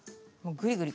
ぐりぐり。